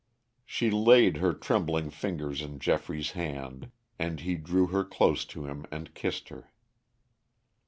She laid her trembling fingers in Geoffrey's hand, and he drew her close to him and kissed her.